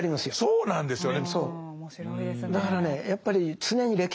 そうなんですよね。